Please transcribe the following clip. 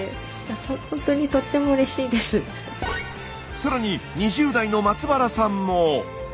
更に２０代の松原さんも。